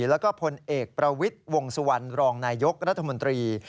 แล้วก็พลเอกประวิทย์วงสุวรรณรองนายยกรัฐมนตรี